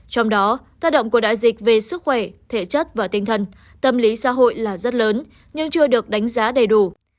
trong đó tác động của đại dịch về sức khỏe thể chất và tinh thần tâm lý xã hội là rất lớn nhưng chưa được đánh giá đầy đủ